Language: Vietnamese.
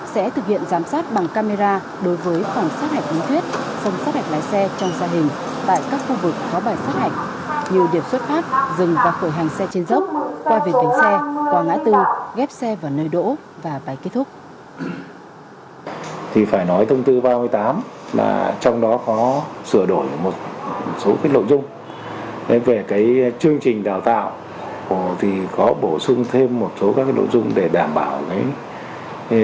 sẽ thực hiện giải pháp luật của người tham gia giao thông và các bạn cùng tìm hiểu trong phòng sự sau đây